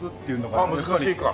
ああ難しいか。